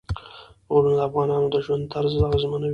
غرونه د افغانانو د ژوند طرز اغېزمنوي.